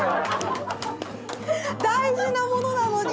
大事なものなのに。